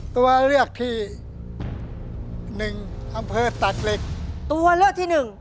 ตัวเลือกที่หนึ่งอำเภอตักเหล็กตัวเลือกที่หนึ่ง